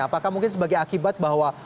apakah mungkin sebagai akibat bahwa